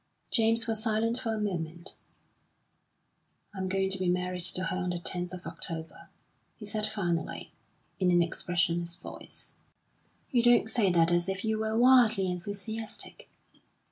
James was silent for a moment. "I'm going to be married to her on the 10th of October," he said finally, in an expressionless voice. "You don't say that as if you were wildly enthusiastic."